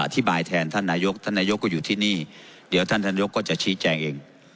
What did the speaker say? แทนท่านนายกท่านนายกก็อยู่ที่นี่เดี๋ยวท่านท่านยกก็จะชี้แจงเอง